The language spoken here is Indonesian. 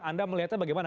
anda melihatnya bagaimana